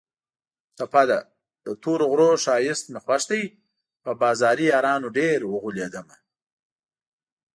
ټپه ده: د تورو غرو ښایست مې خوښ دی په بازاري یارانو ډېر اوغولېدمه